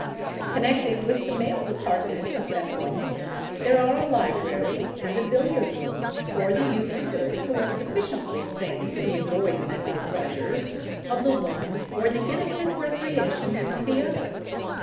Connected with the male department of Bethlem, there are a library and a billiard room, for the use of those who are sufficiently sane to enjoy the mental pleasures of the one or the innocent recreation of the other.